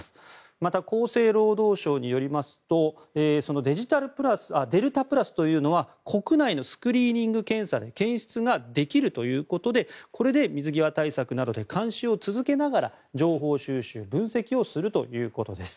また、厚生労働省によりますとデルタプラスというのは国内のスクリーニング検査で検出ができるということで水際対策などで監視を続けながら情報収集・分析をするということです。